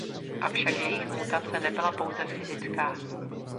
Avšak jejich mutace nebyla pouze fyzická.